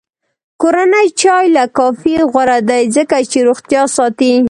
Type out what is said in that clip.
کورنی چای له کافي غوره دی، ځکه چې روغتیا ساتي.